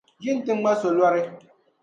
Yi ni ti ŋma solɔri.